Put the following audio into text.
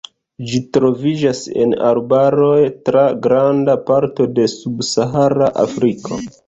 Ĝi troviĝas en arbaroj tra granda parto de subsahara Afriko.